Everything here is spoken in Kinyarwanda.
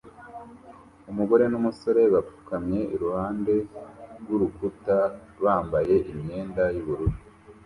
Umugore numusore bapfukamye iruhande rwurukuta bambaye imyenda yubururu